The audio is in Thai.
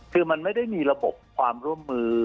คือมันไม่ได้มีระบบความร่วมมือ